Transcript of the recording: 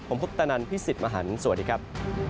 ผมพุทธนันพี่สิทธิ์มหันฯสวัสดีครับ